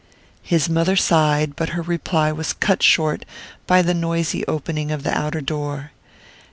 His mother sighed, but her reply was cut short by the noisy opening of the outer door.